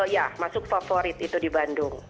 ya masuk favorit itu di bandung